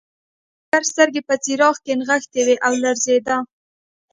د کارګر سترګې په څراغ کې نښتې وې او لړزېده